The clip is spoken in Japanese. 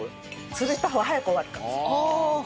潰した方が早く終わるかもしれない。